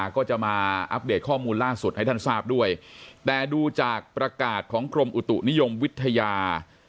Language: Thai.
ก็จะมาอัปเดตข้อมูลล่าสุดให้ท่านทราบด้วยแต่ดูจากประกาศของกรมอุตุนิยมวิทยา